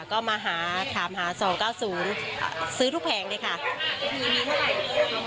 ก็มาหาถามหาสองเก้าศูนย์ซื้อทุกแผงเลยค่ะค่ะมีทุกแผงเอาหมดเลย